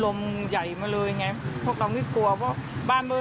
ออกจากชุ่มพรไป